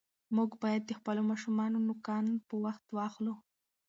موږ باید د خپلو ماشومانو نوکان په وخت واخلو.